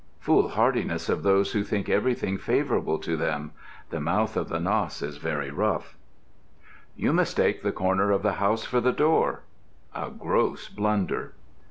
Foolhardiness of those who think everything favorable to them. The mouth of the Nass is very rough. You mistake the corner of the house for the door. A gross blunder.